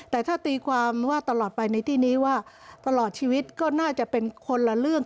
แต่ถ้าตีความว่าตลอดไปในที่นี้ว่าตลอดชีวิตก็น่าจะเป็นคนละเรื่อง